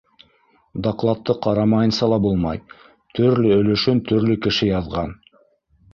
Докладты ҡарамайынса ла булмай: төрлө өлөшөн төрлө кеше яҙған.